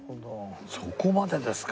そこまでですか！